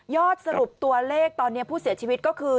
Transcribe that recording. สรุปตัวเลขตอนนี้ผู้เสียชีวิตก็คือ